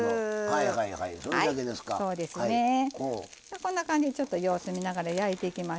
こんな感じでちょっと様子見ながら焼いていきますけどね。